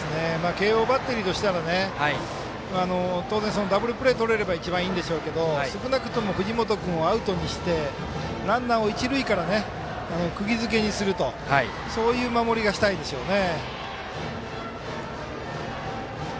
慶応バッテリーとしたら当然、ダブルプレーをとれれば一番いいんでしょうけど少なくとも藤本君をアウトにしてランナーを一塁でくぎ付けにするというそういう守りがしたいでしょうね。